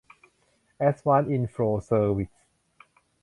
แอดวานซ์ อินโฟร์ เซอร์วิส